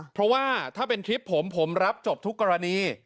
เพราะว่าถ้าเป็นคลิปผมผมรับจบทุกกรณี